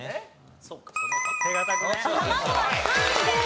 たまごは３位です。